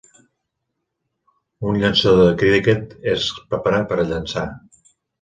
Un llançador de criquet es prepara per a llançar